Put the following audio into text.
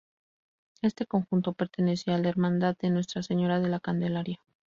Este conjunto pertenecía a la Hermandad de Nuestra Señora de la Candelaria.